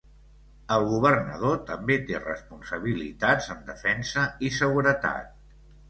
El Governador també té responsabilitats en defensa i seguretat.